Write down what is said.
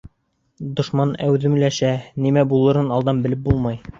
Дошман әүҙемләшә, нимә булырын алдан белеп булмай.